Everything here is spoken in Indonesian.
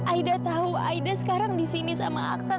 aida tahu aida sekarang disini sama aksan